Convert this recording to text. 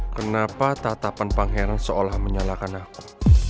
kenapa tatapan pangeran seolah menyalahkan aku